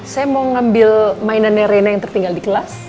saya mau ngambil mainannya rena yang tertinggal di kelas